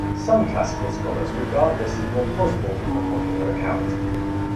Some classical scholars regard this as more plausible than the popular account.